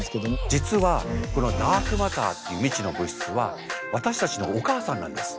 実はこのダークマターっていう未知の物質は私たちのお母さんなんです。